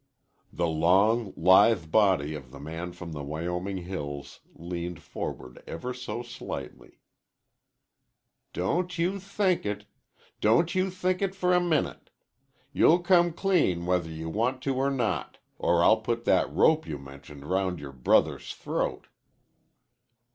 The long, lithe body of the man from the Wyoming hills leaned forward ever so slightly. "Don't you think it! Don't you think it for a minute! You'll come clean whether you want to or not or I'll put that rope you mentioned round your brother's throat."